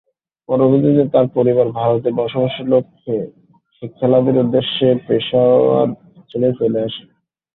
পরবর্তীতে তার পরিবার ভারতে বসবাসের লক্ষ্যে ও শিক্ষালাভের উদ্দেশ্যে পেশাওয়ার ছেড়ে চলে আসেন।